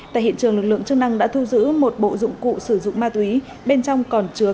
tại hiện trường lực lượng chức năng đã thu giữ một bộ dụng cụ sử dụng ma túy bên trong còn chứa